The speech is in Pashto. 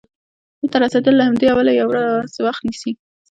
هلته رسیدل له همدې امله یوه ورځ وخت نیسي.